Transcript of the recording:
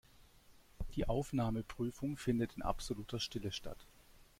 Die Aufnahmeprüfung findet in absoluter Stille statt.